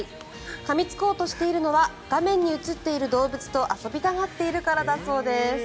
かみつこうとしているのは画面に映っている動物と遊びたがっているからだそうです。